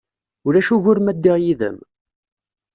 Ulac ugur ma ddiɣ yid-m?